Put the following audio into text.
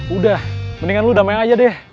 udah mendingan lu damai aja deh